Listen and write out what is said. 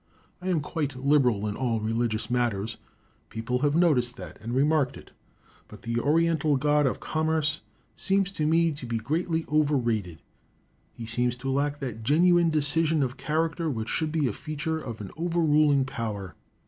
I am quite liberal in all religious matters. People have noticed that and remarked it, but the Oriental god of commerce seems to me to be greatly over rated. He seems to lack that genuine decision of character which should be a feature of an over ruling power.